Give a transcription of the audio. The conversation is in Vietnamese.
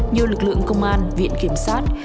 nhiều lực lượng công an viện kiểm sát